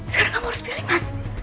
sekarang kamu harus pilih emas